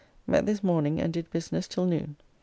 Met this morning and did business till noon.